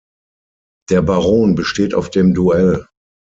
Der Baron besteht auf dem Duell.